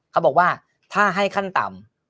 เขาบอกว่าถ้าให้ขั้นต่ำ